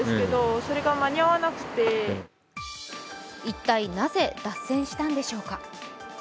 一体なぜ脱線したんでしょうか。